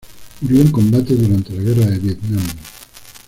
Murió en combate durante la guerra de Vietnam.